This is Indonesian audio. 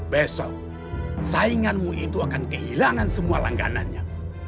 besok sainganmu itu akan kehilangan semua langganannya